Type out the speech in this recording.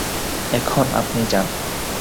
এখন আপনি যান।